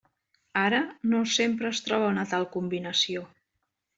Ara, no sempre es troba una tal combinació.